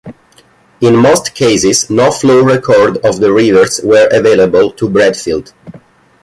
In most cases no flow record of the rivers were available to Bradfield.